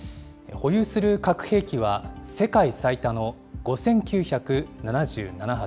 保有する核兵器は世界最多の５９７７発。